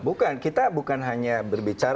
bukan kita bukan hanya berbicara